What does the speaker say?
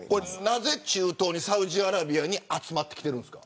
なぜ中東に、サウジアラビアに集まってきてるんですか。